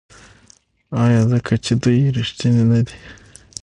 آیا ځکه چې دوی ریښتیني نه دي؟